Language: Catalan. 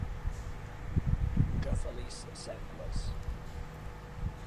Que feliç sembles.